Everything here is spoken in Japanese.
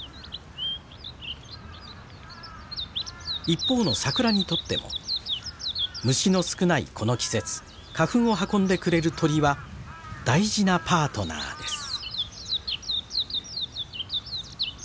一方の桜にとっても虫の少ないこの季節花粉を運んでくれる鳥は大事なパートナーです。